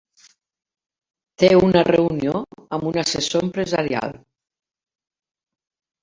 Té una reunió amb un assessor empresarial.